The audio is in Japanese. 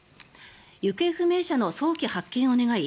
行方不明者の早期発見を願い